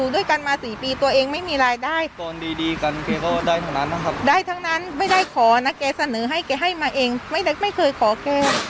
ได้ทั้งนั้นไม่ได้ขอนะแกสนึกให้แกให้มาเองไม่เคยขอแก